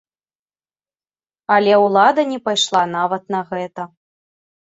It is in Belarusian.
Але ўлада не пайшла нават на гэта.